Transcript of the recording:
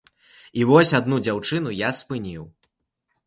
І вось адну дзяўчыну я спыніў.